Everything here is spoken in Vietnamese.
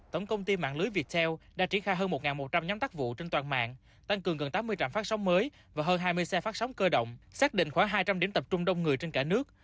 tổng công ty mạng lưới viettel đã triển khai hơn một một trăm linh nhóm tác vụ trên toàn mạng tăng cường gần tám mươi trạm phát sóng mới và hơn hai mươi xe phát sóng cơ động xác định khoảng hai trăm linh điểm tập trung đông người trên cả nước